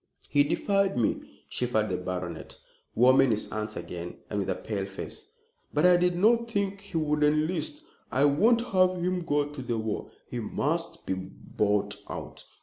"He defied me," shivered the baronet, warming his hands again and with a pale face; "but I did not think he would enlist. I won't have him go to the war. He must be bought out."